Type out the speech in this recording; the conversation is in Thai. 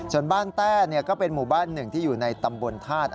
ส่วนบ้านแต้ก็เป็นหมู่บ้านหนึ่งที่อยู่ในตำบลธาตุ